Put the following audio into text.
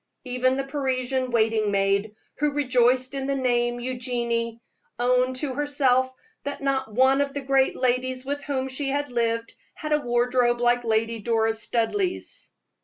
Even the Parisian waiting maid, who rejoiced in the name of Eugenie, owned to herself that not one of the great ladies with whom she had lived had a wardrobe like Lady Doris Studleigh's!